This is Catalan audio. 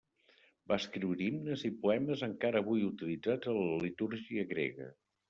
Va escriure himnes i poemes encara avui utilitzats en la litúrgia grega.